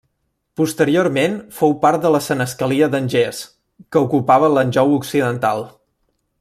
Posteriorment fou part de la senescalia d'Angers que ocupava l'Anjou occidental.